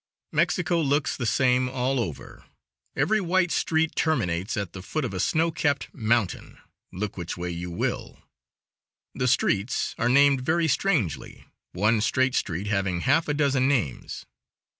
Mexico looks the same all over, every white street terminates at the foot of a snow capped mountain, look which way you will; the streets are named very strangely, one straight street having half a dozen names.